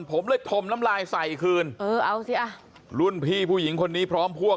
ผมเลยถมน้ำลายใส่คืนรุ่นพี่ผู้หญิงคนนี้พร้อมพวก